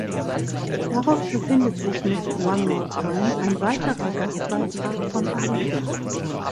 Darauf befindet sich mit "One More Time" ein weiterer Gastbeitrag von Alida.